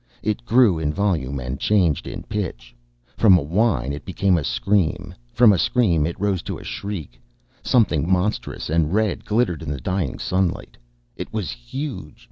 It grew in volume and changed in pitch. From a whine it became a scream. From a scream it rose to a shriek. Something monstrous and red glittered in the dying sunlight. It was huge.